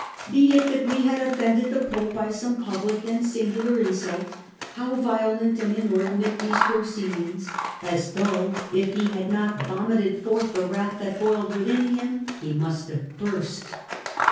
" Be it that we had offended the Pope by some public and singular insult, how violent and inordinate these proceedings, as though, if he had not vomited forth the wrath that boiled within him, he must have burst